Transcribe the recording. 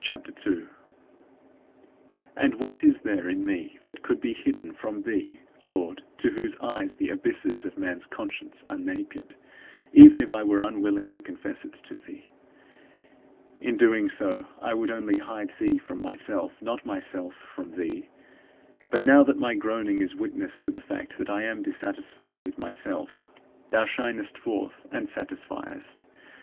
CHAPTER II 2. And what is there in me that could be hidden from thee, Lord, to whose eyes the abysses of man's conscience are naked, even if I were unwilling to confess it to thee? In doing so I would only hide thee from myself, not myself from thee. But now that my groaning is witness to the fact that I am dissatisfied with myself, thou shinest forth and satisfiest.